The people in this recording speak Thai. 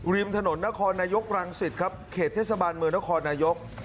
ริมถนนนครนายกรังสิตครับเขตเทศบาลเมืองนครนายก